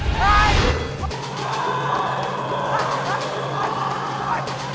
อย่าเข้ามา